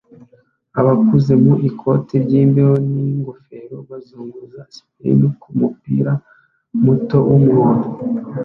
Abakuze mu ikoti ryimbeho ningofero bazunguza sipine kumupira muto wumuhondo